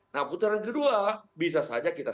nah putaran kedua bisa saja kita